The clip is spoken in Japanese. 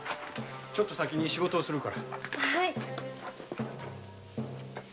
ちょっと先に仕事をするから。